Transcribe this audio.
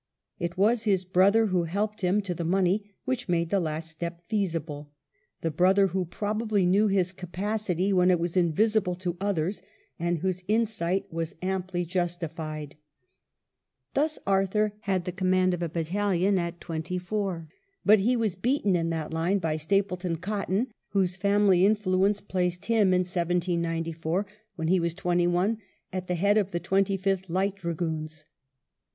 It was his brother who helped him to the money which made the last step feasible; the brother who probably knew his capacity when it was invisible to others, and whose insight was amply justified. AIDE DE CAMP IN DUBLIN Thus Arthur had the command of a battalion at twenty four ; but he was beaten in that line by Stapleton Cotton, whose family influence placed him, in 1794, when he was twenty one, at the head of the Twenty fifth Light Dragoons.